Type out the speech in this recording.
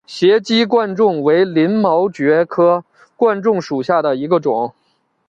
斜基贯众为鳞毛蕨科贯众属下的一个种。